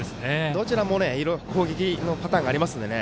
どちらも攻撃のパターンがありますのでね。